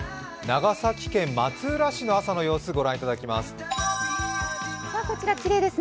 長崎県松浦市の朝の様子御覧いただきます。